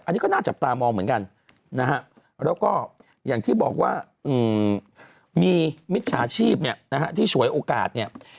อันนี้ก็น่าจับตามองเหมือนกันนะฮะแล้วก็อย่างที่บอกว่ามีมิจฉาชีพเนี่ยนะฮะที่ฉวยโอกาสเนี่ย